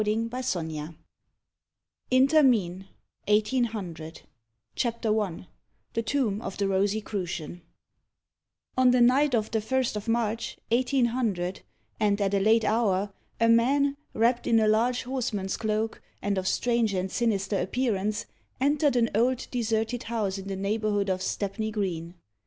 END OF THE FIRST BOOK INTERMEAN 1800 CHAPTER I THE TOMB OF THE ROSICRUCIAN On the night of the 1st of March 1800, and at a late hour, a man, wrapped in a large horseman's cloak, and of strange and sinister appearance, entered an old deserted house in the neighbourhood of Stepney Green.